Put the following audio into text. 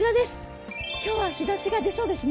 今日は日ざしが出そうですね。